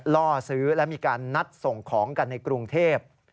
ล่อซื้อและมีการนัดส่งของกันในกรุงเทพ